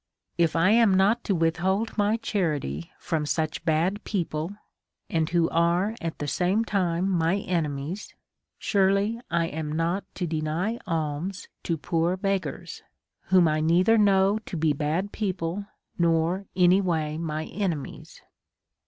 If 1 am not to withhold my cha rity from such bad people, and who are at the same time enemies, surely I am not to deny alms to poor beggars whom I neither know to be bad people, nor any vN^ay my enemies.